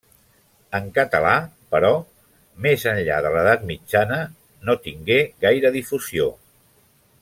En català, però, més enllà de l'edat mitjana no tingué gaire difusió.